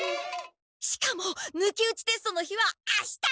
しかも抜き打ちテストの日はあしただ！